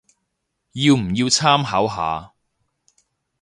要唔要參考下